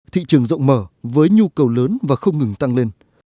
thị trường rộng mở với nhu cầu lớn và không ngừng tăng lên